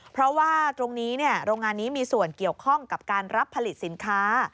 เพราะว่าตรงนี้โรงงานนี้มีส่วนเกี่ยวข้องกับการรับผลิตสินค้า